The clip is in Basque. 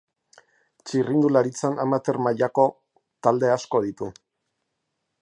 Txirrindularitzan amateur mailako talde asko ditu.